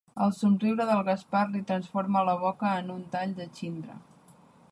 El somriure del Gaspar li transforma la boca en un tall de xíndria.